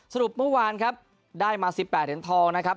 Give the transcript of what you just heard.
สรุปเมื่อวานครับได้มา๑๘เหรียญทองนะครับ